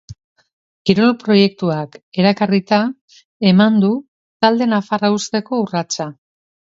Kirol proiektuak erakarrita eman du talde nafarra uzteko urratsa.